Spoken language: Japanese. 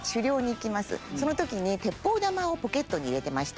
その時に鉄砲玉をポケットに入れてました。